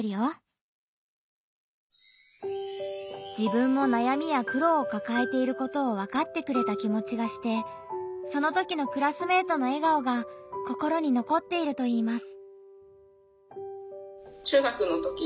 自分も悩みや苦労をかかえていることを分かってくれた気持ちがしてそのときのクラスメートの笑顔が心に残っているといいます。